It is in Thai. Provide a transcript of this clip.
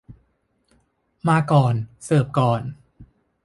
มาก่อน เสิร์ฟก่อน